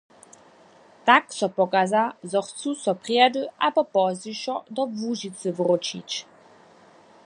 Tak so pokaza, zo chcu so prjedy abo pozdźišo do Łužicy wróćić.